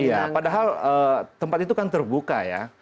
iya padahal tempat itu kan terbuka ya